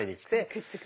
くっつく？